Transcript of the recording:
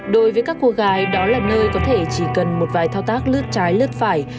đối với các cô gái đó là nơi có thể chỉ cần một vài thao tác lướt trái lướt phải